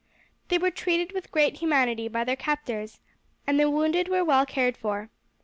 They were treated with great humanity by their captors, and the wounded were well cared for.